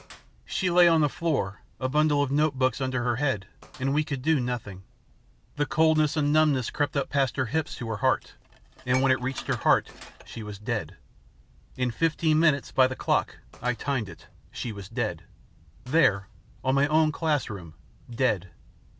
"She lay on the floor, a bundle of notebooks under her head. And we could do nothing. The coldness and the numbness crept up past her hips to her heart, and when it reached her heart she was dead. In fifteen minutes, by the clock I timed it she was dead, there, in my own classroom, dead.